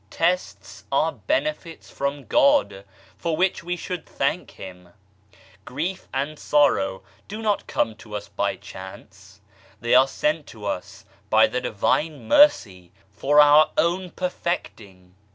Tests are benefits from God, for which we should thank Him. Grief and sorrow do not come to us by chance, they are sent to us by the Divine Mercy for our own perfecting.